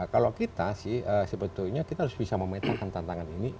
kalau kita sih sebetulnya kita harus bisa memetakan tantangan ini